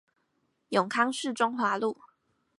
永康市中華路